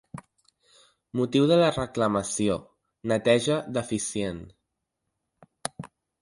Motiu de la reclamació: neteja deficient.